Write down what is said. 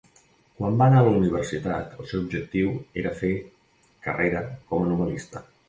Quan va anar a la Universitat el seu objectiu era fer carrera com a novel·lista.